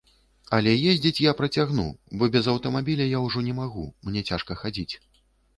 Але ездзіць я працягну, бо без аўтамабіля я ўжо не магу, мне цяжка хадзіць.